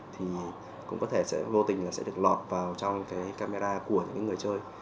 thì cũng có thể sẽ vô tình là sẽ được lọt vào trong cái camera của những người chơi